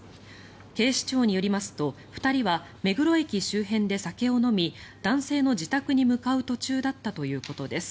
警視庁によりますと、２人は目黒駅周辺で酒を飲み男性の自宅に向かう途中だったということです。